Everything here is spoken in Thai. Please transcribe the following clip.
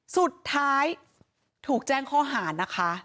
สุดท้ายถูกแจ้งข้อหานะคะ